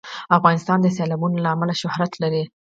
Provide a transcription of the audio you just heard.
افغانستان د سیلابونه له امله شهرت لري.